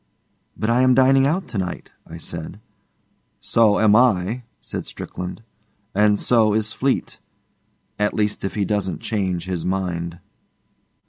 'But I am dining out to night,' I said. 'So am I,' said Strickland, 'and so is Fleete. At least if he doesn't change his mind.